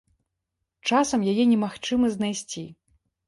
Часам яе немагчыма знайсці.